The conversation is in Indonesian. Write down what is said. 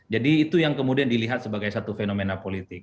jadi itu yang kemudian dilihat sebagai satu fenomena politik